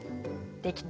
できた？